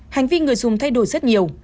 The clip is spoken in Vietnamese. hành vi người dùng thay đổi rất nhiều